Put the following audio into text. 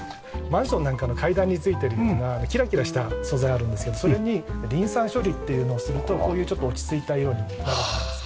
マンションなんかの階段についているようなキラキラした素材あるんですけどそれにリン酸処理っていうのをするとこういうちょっと落ち着いた色になるんですけど。